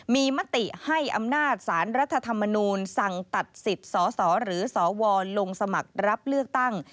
มีมติให้อำนาจสารรัฐธรรมนูลสั่งตัดสิทธิ์สสหรือสวลงสมัครรับเลือกตั้ง